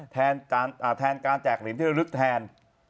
แทนการแจกลิ่นที่ระลึกแทน